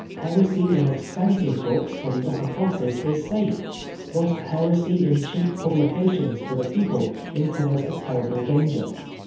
Heresy in expensive books for the upper classes is safe, but heresy in cheap publications for the people incurs a terrible danger.